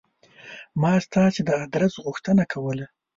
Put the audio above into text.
ما ستاسې د آدرس غوښتنه کوله.